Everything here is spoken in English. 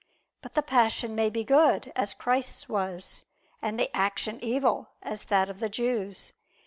But the passion may be good, as Christ's was; and the action evil, as that of the Jews.